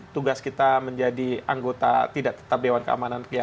tugas kita menjadi anggota tidak tetap dewan keamanan